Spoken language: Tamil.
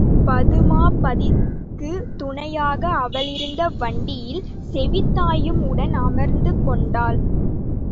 பதுமாபதிக்குத் துணையாக அவளிருந்த வண்டியில் செவிலித்தாயும் உடன் அமர்ந்து கொண்டாள்.